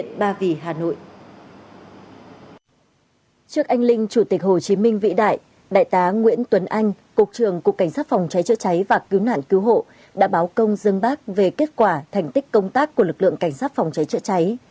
trước anh linh chủ tịch hồ chí minh vĩ đại đại tá nguyễn tuấn anh cục trường cục cảnh sát phòng cháy chữa cháy và cứu nạn cứu hộ đã báo công dân bác về kết quả thành tích công tác của lực lượng cảnh sát phòng cháy chữa cháy